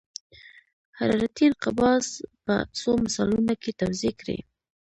حرارتي انقباض په څو مثالونو کې توضیح کړئ.